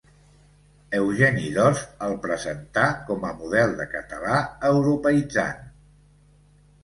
Eugeni d’Ors el presentà com a model de català europeïtzant.